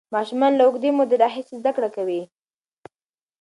ماشومان له اوږدې مودې راهیسې زده کړه کوي.